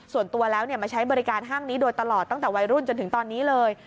ส่วนตัวแล้วมาใช้บริการห้างนี้โดยตลอดตั้งแต่วัยรุ่นจนถึงตอนนี้เลย